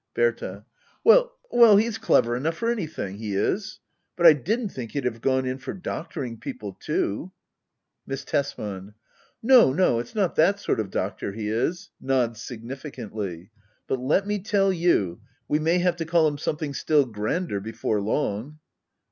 Berta. Well well, he's clever enough for anything, he is. But I didn't think he'd have gone in for doc toring people too. Miss Tesman. No no, it's not that sort of doctor he is. [Nodi significantli^.l But let me tell you, we may have to c^dl him something still grander before long.